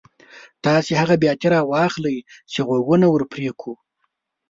تاسې هغه بیاتي را واخلئ چې غوږونه ور پرې کړو.